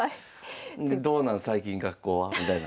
でどうなん最近学校はみたいな。